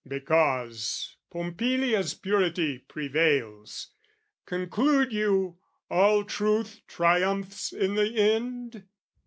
"Because Pompilia's purity prevails, "Conclude you, all truth triumphs in the end?